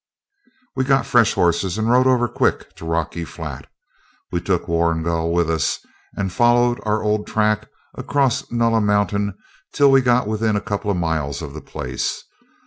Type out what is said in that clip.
..... We got fresh horses and rode over quick to Rocky Flat. We took Warrigal with us, and followed our old track across Nulla Mountain till we got within a couple of miles of the place.